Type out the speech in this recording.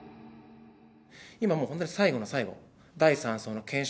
今もう本当に最後の最後、第３相の検証